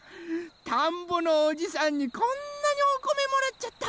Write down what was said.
たんぼのおじさんにこんなにおこめもらっちゃった！